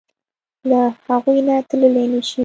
له هغوی نه تللی نشې.